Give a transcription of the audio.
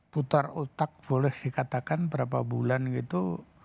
putar otak boleh dikatakan berapa bulan gitu